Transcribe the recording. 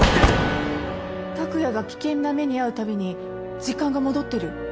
拓也が危険な目に遭うたびに時間が戻ってる。